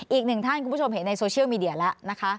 อีกหนึ่งท่านคุณผู้ชมเห็นในโซเชียลมีเดียแล้วนะคะ